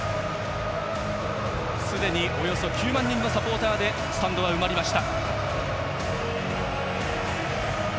すでにおよそ９万人のサポーターでスタンドは埋まりました。